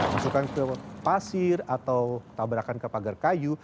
masukkan ke pasir atau tabrakan ke pagar kayu